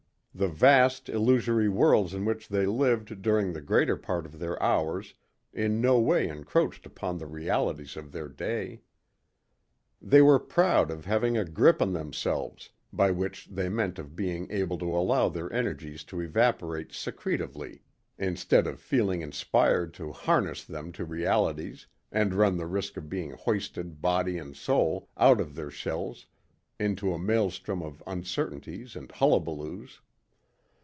The vast, illusory worlds in which they lived during the greater part of their hours in no way encroached upon the realities of their day. They were proud of having a grip on themselves, by which they meant of being able to allow their energies to evaporate secretively instead of feeling inspired to harness them to realities and run the risk of being hoisted body and soul out of their shells into a maelstrom of uncertainties and hullabaloos.